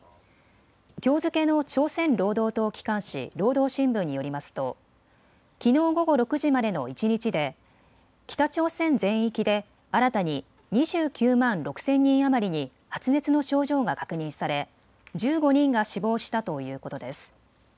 きょう付けの朝鮮労働党機関紙、労働新聞によりますときのう午後６時までの一日で北朝鮮全域で新たに２９万６０００人余りに発熱の症状が確認され１５人が死亡したということです。